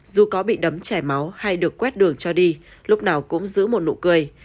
dù có bị đấm chảy máu hay được quét đường cho đi lúc nào cũng giữ một nụ cười